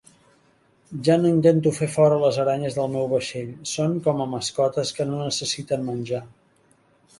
Ja no intento fer fora a les aranyes del meu vaixell, són com a mascotes que no necessiten menjar.